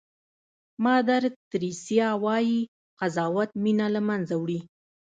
مادر تریسیا وایي قضاوت مینه له منځه وړي.